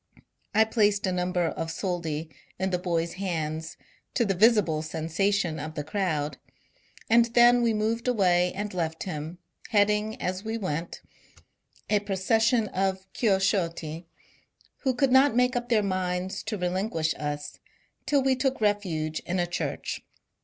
I placed a number of soldi in the boy's hands, to the visible sensation of the crowd, and then we moved away and left him, heading, as we went, a procession of Chioszotti, who could not make up their minds to relinquish us till we took refuge in a church.